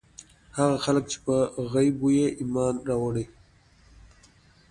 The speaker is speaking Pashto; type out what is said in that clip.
هغه خلک چې په غيبو ئې ايمان راوړی